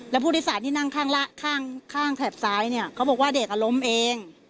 แล้วผู้โดยสารที่นั่งข้างข้างแถบซ้ายเนี่ยเขาบอกว่าเด็กอ่ะล้มเอง